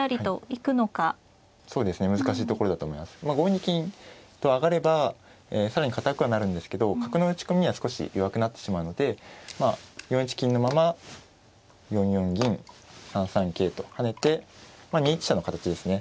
５ニ金と上がれば更に堅くはなるんですけど角の打ち込みには少し弱くなってしまうので４一金のまま４四銀３三桂と跳ねてまあ２一飛車の形ですね。